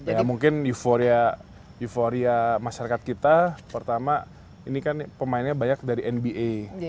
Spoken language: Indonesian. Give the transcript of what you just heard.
ya mungkin euforia masyarakat kita pertama ini kan pemainnya banyak dari nba